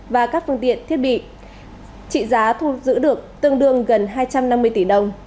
và các phương tiện thiết bị trị giá thu giữ được tương đương gần hai trăm năm mươi tỷ đồng